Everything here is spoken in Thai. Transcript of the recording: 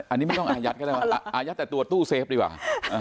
อันนี้ไม่ต้องอายัดก็ได้วะอายัดแต่ตัวตู้เซฟดีกว่า